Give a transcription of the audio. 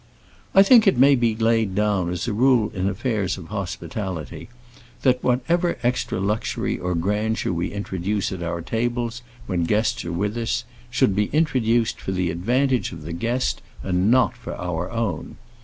I think it may be laid down as a rule in affairs of hospitality, that whatever extra luxury or grandeur we introduce at our tables when guests are with us, should be introduced for the advantage of the guest and not for our own.